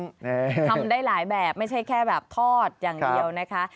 ทำได้หลายแบบไม่ใช่แค่แบบทอดอย่างเดียวนะคะ